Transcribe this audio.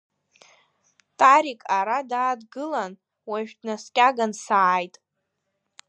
Тарик ара даадгылан, уажә днаскьаган сааит.